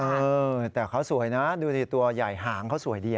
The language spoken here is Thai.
เออแต่เขาสวยนะดูดิตัวใหญ่หางเขาสวยดี